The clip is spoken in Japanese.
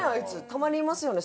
たまにいますよね